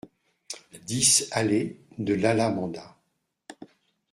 dix allée de l'Alamanda